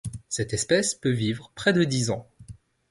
Cette espèce peut vivre près de dix ans.